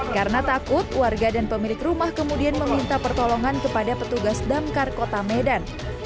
karena takut warga dan pemilik rumah kemudian meminta pertolongan kepada petugas damkar kota medan